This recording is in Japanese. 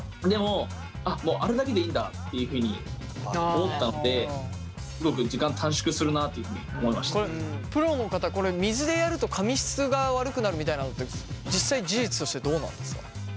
でももうあれだけでいいんだっていうふうに思ったのでこれプロの方これ水でやると髪質が悪くなるみたいなのって実際事実としてどうなんですか？